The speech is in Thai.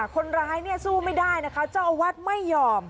คนร้ายเนี่ยสู้ไม่ได้นะคะเจ้าอาวาสไม่ยอม